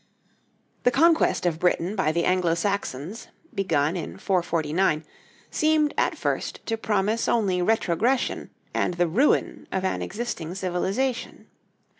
The conquest of Britain by the Anglo Saxons, begun in 449, seemed at first to promise only retrogression and the ruin of an existing civilization.